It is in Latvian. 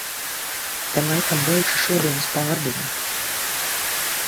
Te laikam beigšu šodienas pārdomu...